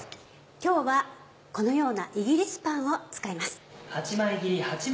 今日はこのようなイギリスパンを使います。